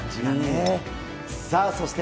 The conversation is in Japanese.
そして、